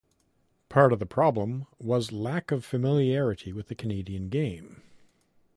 Part of the problem was lack of familiarity with the Canadian game.